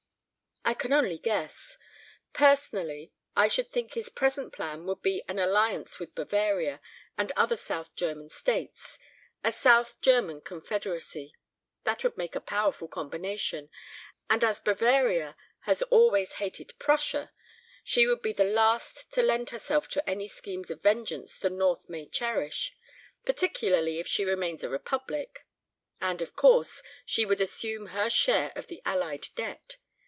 "I can only guess. Personally I should think his present plan would be an alliance with Bavaria and other South German States a South German Confederacy. That would make a powerful combination, and as Bavaria has always hated Prussia, she would be the last to lend herself to any schemes of vengeance the north may cherish particularly if she remains a republic. And, of course, she would assume her share of the Allied debt.